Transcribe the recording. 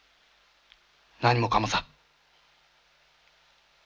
何もかもさ。